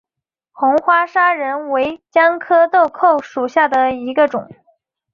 红花砂仁为姜科豆蔻属下的一个种。